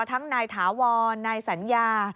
ทั้งนายถาวรนายสัญญา